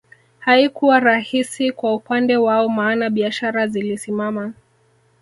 Haikuwa rahisi kwa upande wao maana biashara zilisimama